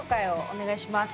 お願いします。